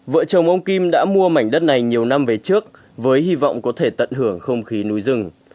vợ chồng ông kim đã mua mảnh đất này nhiều năm về trước với hy vọng có thể tận hưởng không khí núi rừng